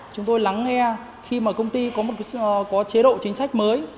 chúng tôi lắng nghe khi mà công ty có một chế độ chính sách mới